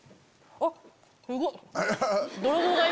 あっ、すごい。